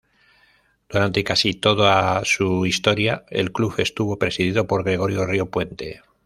Durante casi toda su historia, el club estuvo presidido por Gregorio Río Puente.